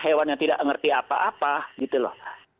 hewan yang tidak mengerti apa apa gitu loh